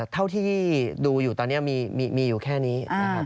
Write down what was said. เท่าที่ดูอยู่แค่นี้